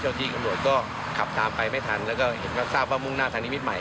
ที่ตำรวจก็ขับตามไปไม่ทันแล้วก็เห็นว่าทราบว่ามุ่งหน้าทางนิมิตรใหม่